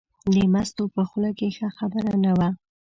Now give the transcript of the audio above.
د مستو په خوله کې ښه خبره نه وه.